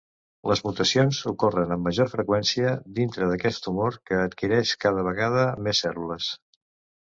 Les mutacions ocorren amb major freqüència dintre d'aquest tumor que adquireix cada vegada més cèl·lules.